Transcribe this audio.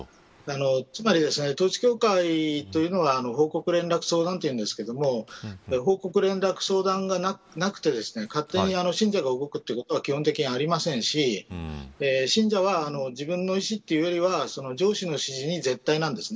つまり、統一教会というのは報告・連絡・相談というんですが報告・連絡・相談がなくて勝手に信者が動くということは基本的にありませんし信者は自分の意思というよりは上司の指示が絶対なんです。